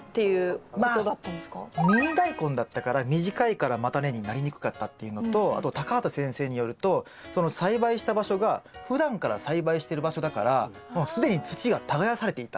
ミニダイコンだったから短いから叉根になりにくかったっていうのとあと畑先生によるとその栽培した場所がふだんから栽培してる場所だからもう既に土が耕されていた。